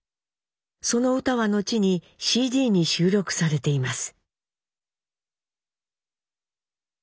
その歌は後にＣＤに収録されています。